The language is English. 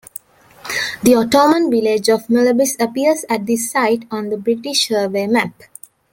The Ottoman village of Mulebbis appears at this site on the British survey map.